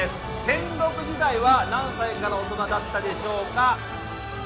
戦国時代は何歳から大人だったでしょうか？